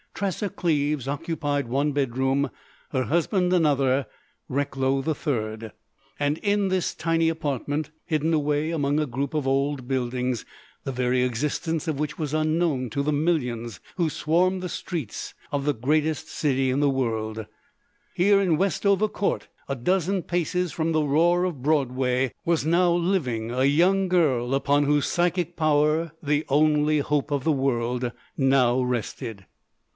Tressa Cleves occupied one bedroom; her husband another; Recklow the third. And in this tiny apartment, hidden away among a group of old buildings, the very existence of which was unknown to the millions who swarmed the streets of the greatest city in the world,—here in Westover Court, a dozen paces from the roar of Broadway, was now living a young girl upon whose psychic power the only hope of the world now rested.